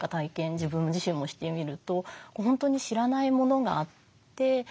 自分自身もしてみると本当に知らないものがあって。